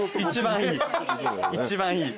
一番いい。